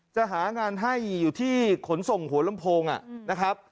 จะหางานให้อยู่ที่ขนส่งหัวลำโพงนะครับ